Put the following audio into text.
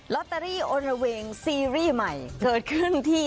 ตเตอรี่โอระเวงซีรีส์ใหม่เกิดขึ้นที่